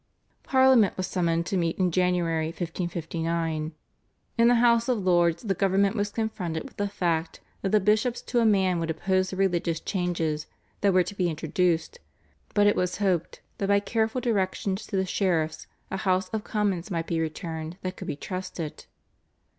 Parliament was summoned to meet in January 1559. In the House of Lords the government was confronted with the fact that the bishops to a man would oppose the religious changes that were to be introduced, but it was hoped that by careful directions to the sheriffs a House of Commons might be returned that could be trusted.